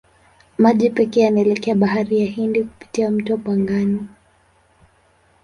Maji yake yanaelekea Bahari ya Hindi kupitia mto Pangani.